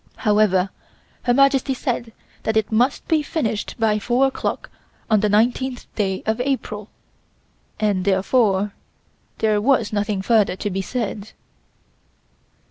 However, Her Majesty said that it must be finished by four o'clock on the 19th day of April, and therefore there was nothing further to be said.